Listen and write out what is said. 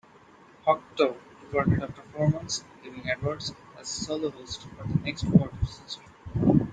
Hoctor departed after four months, leaving Edwards as solo host for the next quarter-century.